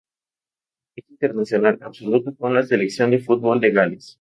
Es internacional absoluto con la selección de fútbol de Gales.